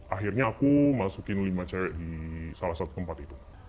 akhirnya aku masukin lima cewek di salah satu tempat itu